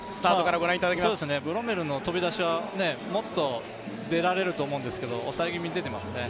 ブロメルの飛び出しはもっと出られると思うんですけど抑え気味に出ていますね。